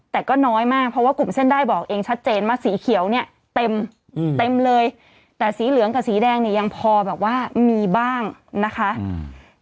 แต่สีเหลืองกับสีแดงเนี้ยยังพอแบบว่ามีบ้างนะคะอืม